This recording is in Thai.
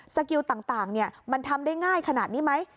สกิลต่างมันทำได้ง่ายขนาดนี้ไหม